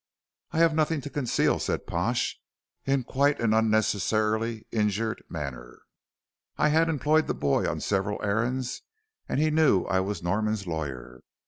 "I have nothing to conceal," said Pash, in quite an unnecessarily injured manner. "I had employed the boy on several errands, and he knew I was Norman's lawyer.